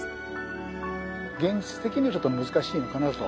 現実的にちょっと難しいのかなと。